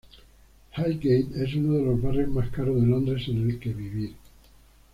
Highgate es uno de los barrios más caros de Londres en el que vivir.